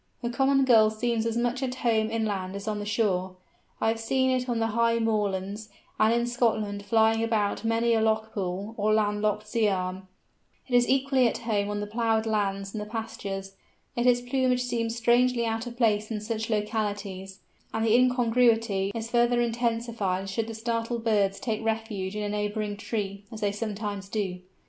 The Common Gull seems as much at home inland as on the shore. I have seen it on the high moorlands, and in Scotland flying about many a loch pool, or land locked sea arm; it is equally at home on the ploughed lands and the pastures, yet its plumage seems strangely out of place in such localities, and the incongruity is further intensified should the startled birds take refuge in a neighbouring tree, as they sometimes do.